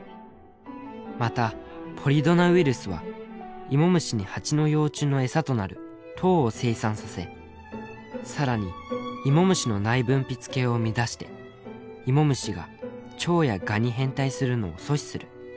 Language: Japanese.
またポリドナウイルスはイモムシにハチの幼虫の餌となる糖を生産させ更にイモムシの内分泌系を乱してイモムシがチョウやガに変態するのを阻止する。